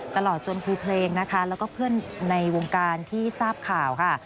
ตลอดจนครูเพลงนะคะแล้วก็เพื่อนในวงการที่ทราบข่าวค่ะ